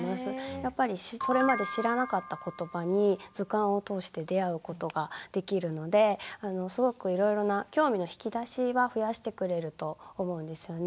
やっぱりそれまで知らなかったことばに図鑑をとおして出会うことができるのですごくいろいろな興味の引き出しは増やしてくれると思うんですよね。